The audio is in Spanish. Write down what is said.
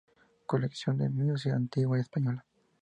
Colección de Música Antigua Española.